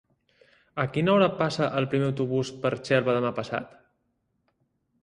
A quina hora passa el primer autobús per Xelva demà passat?